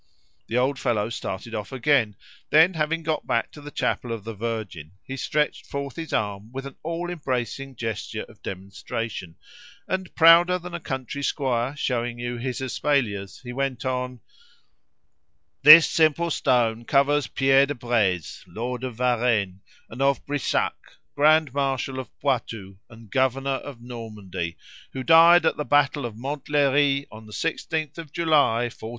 The old fellow started off again; then, having got back to the chapel of the Virgin, he stretched forth his arm with an all embracing gesture of demonstration, and, prouder than a country squire showing you his espaliers, went on "This simple stone covers Pierre de Breze, lord of Varenne and of Brissac, grand marshal of Poitou, and governor of Normandy, who died at the battle of Montlhery on the 16th of July, 1465."